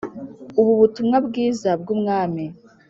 ubu butumwa bwiza bw ubwami